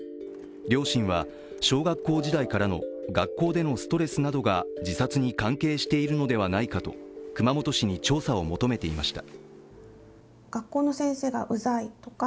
両親は、小学校時代からの学校でのストレスなどが自殺に関係しているのではないかと熊本市に調査を求めていました。